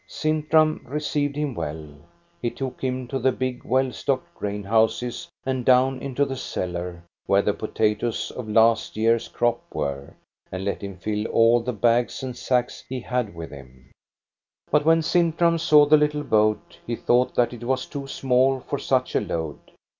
Sintram received him well : he took him to the big, well stocked g^ain houses and down into the cellar, where the potatoes of last year's crop were, and let him fill all the bags and sacks he had with him. 348 THE STORY OF GOSTA BERLING But when Sintram saw the little boat, he thought that it was too small for such a load.